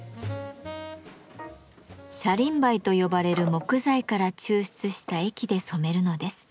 車輪梅と呼ばれる木材から抽出した液で染めるのです。